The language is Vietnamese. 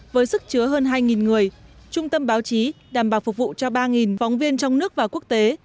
với sức chứa hơn hai người trung tâm báo chí đảm bảo phục vụ cho ba phóng viên trong nước và quốc tế